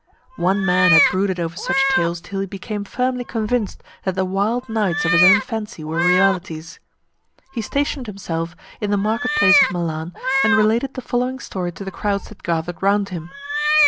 One man had brooded over such tales till he became firmly convinced that the wild nights of his own fancy were realities. He stationed himself in the market place of Milan, and related the following story to the crowds that gathered round him.